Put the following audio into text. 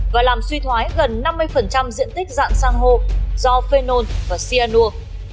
và làm suy thoái gần năm mươi diện tích dạng san hô do phenol và cyanur